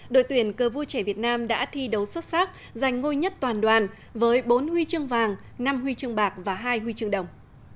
đội tuyển cờ vua trẻ việt nam đã thi đấu xuất sắc giành ngôi nhất toàn đoàn với bốn huy chương vàng năm huy chương bạc và hai huy chương đồng